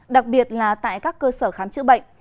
đặc biệt là tại các cơ sở khám chữa bệnh